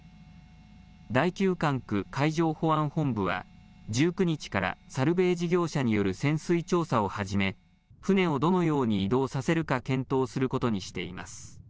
第９管区海上保安本部は、１９日から、サルベージ業者による潜水調査を始め、船をどのように移動させるか検討することにしています。